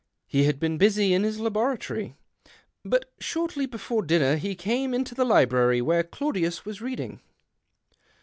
He had been busy in his laboratory. But shortly before dinner he came into the library where Claudius was reading.